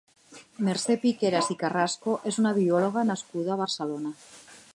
Mercè Piqueras i Carrasco és una biòloga nascuda a Barcelona.